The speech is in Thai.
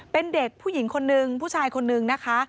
เป็นเด็กผู้หญิงคนนึงผู้ชายคนนึงนะคะ